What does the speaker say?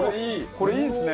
これいいですね！